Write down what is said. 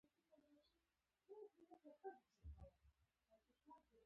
شاوخوا یې اوبو ډک چمنان واقع و.